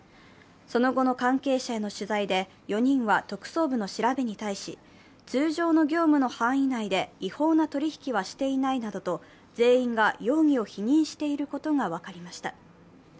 その後の関係者への取材で４人は特捜部の調べに対し通常の業務の範囲内で違法な取り引きはしていないなどと全員が容疑を否認していることが分かりました。